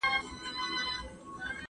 دا قلمان له هغو پاک دي!؟